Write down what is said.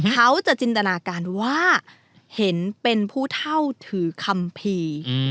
เขาจะจินตนาการว่าเห็นเป็นผู้เท่าถือคัมภีร์